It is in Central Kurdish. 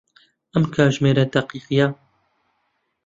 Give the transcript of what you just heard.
ئەم کاتژمێرە دەقیقە.